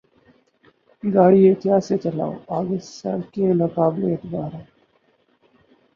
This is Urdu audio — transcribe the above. گاڑی احتیاط سے چلاؤ! آگے سڑکیں ناقابل اعتبار ہیں۔